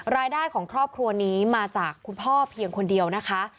รายได้ของครอบครัวนี้มาจากคุณพ่อเพียงคนเดียวนะคะ